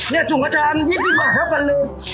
เนี่ยสุ่มกระจาน๒๐บาทเท่ากันเลย